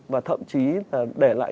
và thậm chí là để lại